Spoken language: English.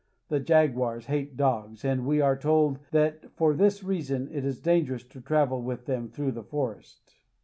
The jaguars hate dogs, and we are told that for this reason it is dangerous to travel with them through the forest.